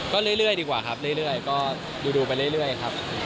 ก็เรื่อยดีกว่าครับเรื่อยก็ดูไปเรื่อยครับ